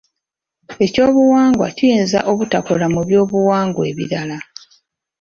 Ekyobuwangwa kiyinza obutakola mu byobuwangwa ebirala.